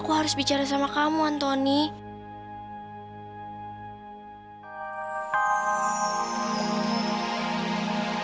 kamu lagi mikirin apa